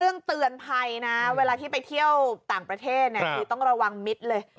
เตือนภัยนะเวลาที่ไปเที่ยวต่างประเทศคือต้องระวังมิตรเลย